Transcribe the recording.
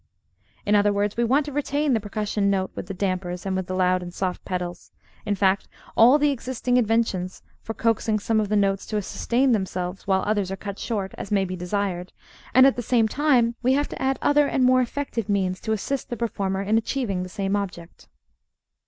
In other words, we want to retain the percussion note with the dampers and with the loud and soft pedals, in fact, all the existing inventions for coaxing some of the notes to sustain themselves while others are cut short, as may be desired, and at the same time we have to add other and more effective means to assist the performer in achieving the same object.